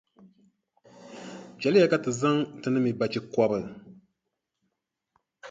Chɛliya ka ti zaŋ ti ni mi bachikɔbʼ.